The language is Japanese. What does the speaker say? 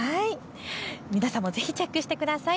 皆さんもぜひチェックしてください。